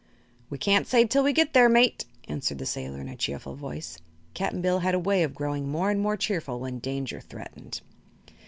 "We can't say till we get there, mate," answered the sailor in a cheerful voice. Cap'n Bill had a way of growing more and more cheerful when danger threatened.